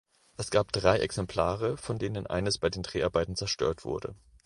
Es gab drei Exemplare, von denen eines bei den Dreharbeiten zerstört wurde.